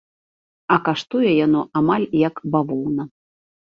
А каштуе яно амаль як бавоўна.